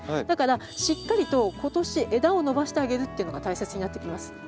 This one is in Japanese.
だからしっかりと今年枝を伸ばしてあげるっていうのが大切になってきます。